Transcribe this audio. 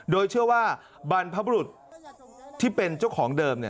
โดยเชื่อว่าบรรพบรุษที่เป็นเจ้าของเดิม